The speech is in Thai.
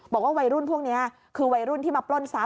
บอกว่าวัยรุ่นพวกนี้คือวัยรุ่นที่มาปล้นทรัพ